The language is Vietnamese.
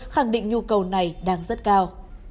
khẳng định nhu cầu này đang rất cao